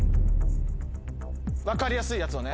分かりやすいやつをね。